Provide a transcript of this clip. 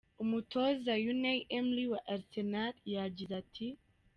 Umutoza Unai Emery wa Arsenal yagize ati:.